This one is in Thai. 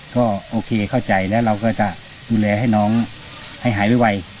ก็โอเคเข้าใจแล้วเราก็จะดูแลให้น้องให้หายไว